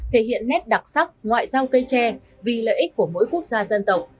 thể hiện nét đặc sắc ngoại giao cây tre vì lợi ích của mỗi quốc gia dân tộc